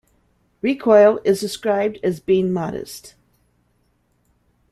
Recoil is described as being modest.